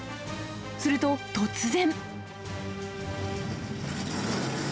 すると突然。